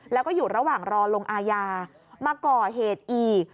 แล้วก็อยู่ระหว่างรอลงอาญามาก่อเหตุอีก